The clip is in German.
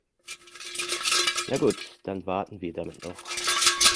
Na gut, dann warten wir damit noch.